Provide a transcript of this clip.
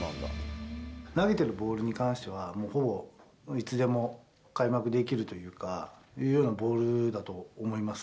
投げているボールに関しては、ほぼ、いつでも開幕できるというか、いうようなボールだと思います。